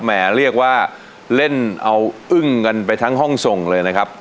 แหมเรียกว่าเล่นเอาอึ้งกันไปทั้งห้องส่งเลยนะครับ